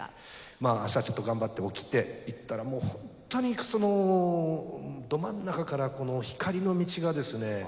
まあ朝ちょっと頑張って起きて行ったらもうほんとにそのど真ん中からこの光の道がですね